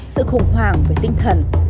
sự khủng hoảng về tinh thần